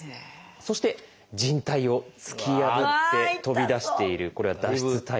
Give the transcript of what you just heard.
そして靭帯を突き破って飛び出しているこれは「脱出」タイプ。